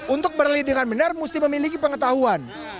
untuk berlari dengan benar mesti memiliki pengetahuan